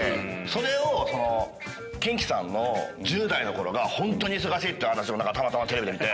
それをそのキンキさんの１０代の頃がホントに忙しいって話をたまたまテレビで見て。